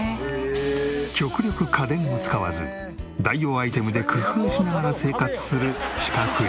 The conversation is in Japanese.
極力家電を使わず代用アイテムで工夫しながら生活するチカ婦人。